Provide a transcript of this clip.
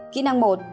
kỹ năng một